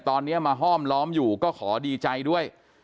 ตอนนี้มาห้อมล้อมอยู่ก็ขอดีใจด้วย